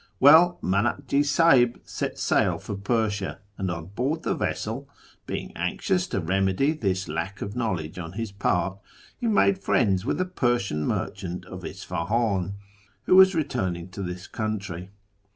Well, Manakji Sahib set sail for Persia, and on uoard the vessel (being anxious to remedy this lack of knowledge on his part) he made friends with a Persian merchant of Isfahan, who was returning to his country.